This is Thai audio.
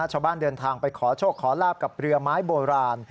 ชาวบ้านเดินทางไปขอโชคขอลาบกับเรือไม้โบราณ